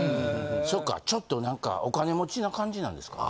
そっかちょっとなんかお金持ちな感じなんですか？